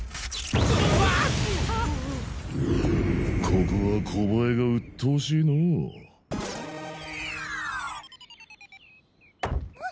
ここはコバエがうっとうしいのう。